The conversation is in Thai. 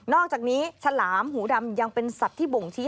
อกจากนี้ฉลามหูดำยังเป็นสัตว์ที่บ่งชี้